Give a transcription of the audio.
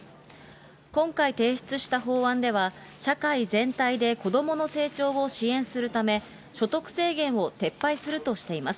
今回、提出した法案では、社会全体で子どもの成長を支援するため、所得制限を撤廃するとしています。